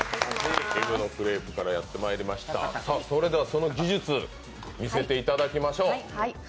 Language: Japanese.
それではその技術、見せていただきましょう。